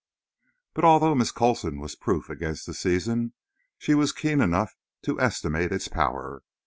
But although Miss Coulson was proof against the season, she was keen enough to estimate its power.